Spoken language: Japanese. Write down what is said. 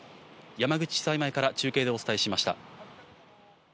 山口地裁前から中継でお伝えしました。